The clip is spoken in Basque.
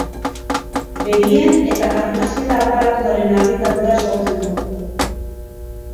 Begien eta arnasketa aparatuaren narritadura sortzen du.